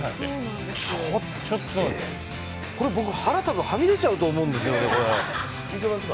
ちょっと、これ腹、多分はみ出ちゃうと思うんです。